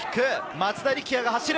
松田力也が走る！